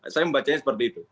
saya membacanya seperti itu